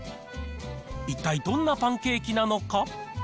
一体どんなパンケーキなのか。